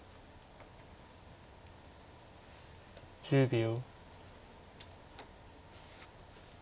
１０秒。